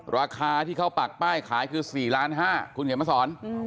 ราคาที่เขาปากป้ายขายคือสี่ล้านห้าคุณเห็นไหมสอน